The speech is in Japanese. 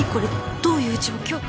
どういう状況？